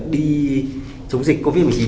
đi chống dịch covid một mươi chín